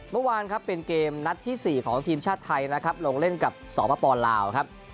เมื่อวานครับเป็นเกมนัดที่๔ของทีมชาติไทยนะครับลงเล่นกับสปลาวครับ